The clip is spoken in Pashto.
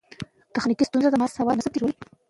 ویکټور هوګو د خپلو افکارو له امله یادېږي.